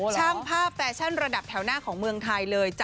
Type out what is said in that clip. ช่างภาพแฟชั่นระดับแถวหน้าของเมืองไทยเลย